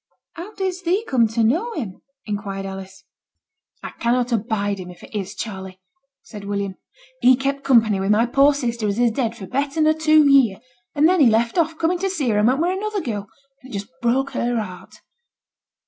'How didst thee come to know him?' inquired Alice. 'I cannot abide him if it is Charley,' said William. 'He kept company with my poor sister as is dead for better nor two year, and then he left off coming to see her and went wi' another girl, and it just broke her heart.'